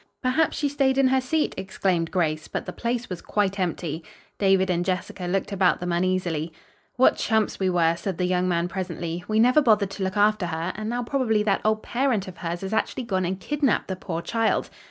"Perhaps she stayed in her seat," exclaimed Grace, but the place was quite empty. David and Jessica looked about them uneasily. "What chumps we were!" said the young man presently. "We never bothered to look after her, and now probably that old parent of hers has actually gone and kidnapped the poor child."